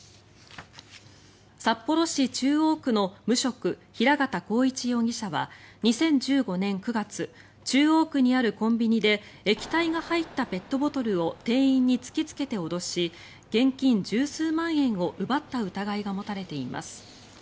札幌市中央区の無職・平形晃一容疑者は２０１５年９月中央区にあるコンビニで液体が入ったペットボトルを店員に突きつけて脅し現金１０数万円を奪った疑いが持たれています。